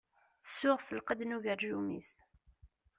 Tsuɣ s lqedd n ugerjum-is.